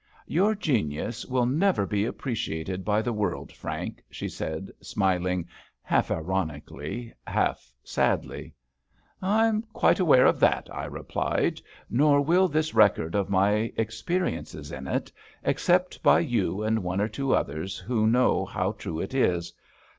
"Your genius will never be appreciated by the world, Frank," she said, smiling half ironically, half sadly. "I am quite aware of that," I replied; "nor will this record of my experiences in it except by you and one or two others who know how true it is.